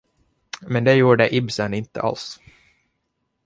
Men det gjorde Ibsen inte alls.